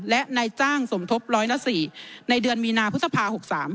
และนายจ้างสมทบร้อยละ๔ในเดือนมีนาพฤษภา๖๓